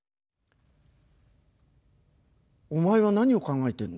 「お前は何を考えてんだ？